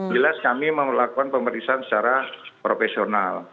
jelas kami melakukan pemeriksaan secara profesional